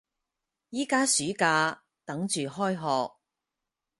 而家暑假，等住開學